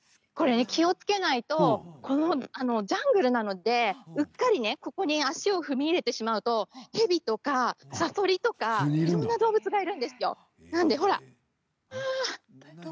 気をつけないとジャングルなので、うっかり、ここに足を踏み入れてしまうと蛇とかサソリとか危険な動物がいるんですよ。